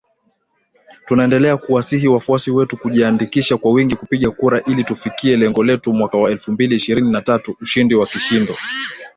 Tunaendelea kuwasihi wafuasi wetu kujiandikisha kwa wingi kupiga kura ili tufikie lengo letu mwaka wa elfu mbili ishirini na tatu ushindi wa kishindo.”